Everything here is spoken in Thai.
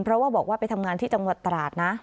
เพราะว่าบอกว่าไปทำงานที่จังหวัดตราดนะ